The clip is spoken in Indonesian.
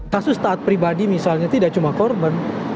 kasus taat pribadi misalnya tidak cuma korban